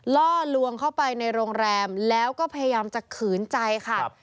ล่อลวงเข้าไปในโรงแรมแล้วก็พยายามจะขืนใจค่ะ